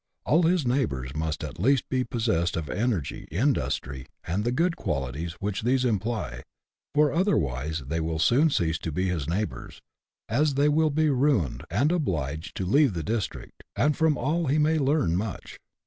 All his neighbours must at least be possessed of energy, industry, and the good qualities which these imply, for otherwise they will soon cease to be his neigh bours, as they will be ruined and obliged to leave the district, and from all he may learn much.